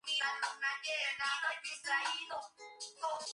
La isla posee un gran contingente de artistas y artesanos.